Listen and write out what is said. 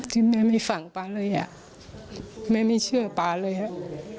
ที่แม่ไม่ฟังป๊าเลยอ่ะแม่ไม่เชื่อป๊าเลยครับ